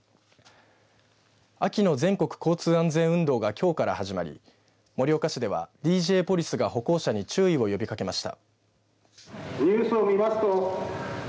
秋の全国交通安全運動がきょうから始まり盛岡市では、ＤＪポリスが歩行者に注意を呼びかけました。